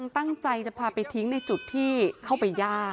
ตั้งใจจะพาไปทิ้งในจุดที่เข้าไปย่า